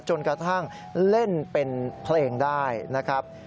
จนกระทั่งเล่นเป็นเพลงได้นะครับ